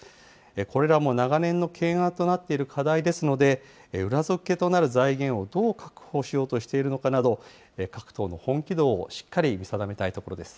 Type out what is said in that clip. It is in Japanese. これらも長年の懸案となっている課題ですので、裏付けとなる財源をどう確保しようとしているのかなど、各党の本気度をしっかり見定めたいところです。